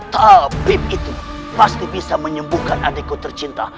tapi itu pasti bisa menyembuhkan adikku tercinta